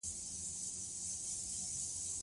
کابل د ټولو افغان ماشومانو د زده کړې یوه موضوع ده.